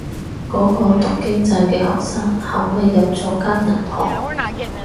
嗰個讀經濟嘅學生後尾入咗間銀行